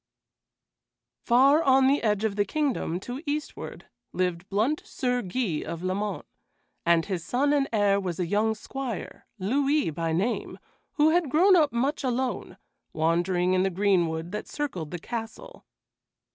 Far on the edge of the kingdom to eastward lived blunt Sir Guy of Lamont, and his son and heir was a young squire, Louis by name, who had grown up much alone, wandering in the greenwood that circled the castle.